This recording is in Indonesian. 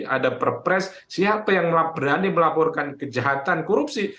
ada perpres siapa yang berani melaporkan kejahatan korupsi